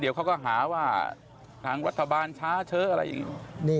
เดี๋ยวเขาก็หาว่าทางรัฐบาลช้าเชอะอะไรอย่างนี้